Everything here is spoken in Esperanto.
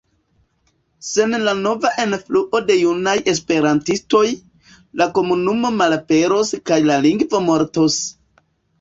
Sen la nova enfluo de junaj esperantistoj, la komunumo malaperos kaj la lingvo mortos.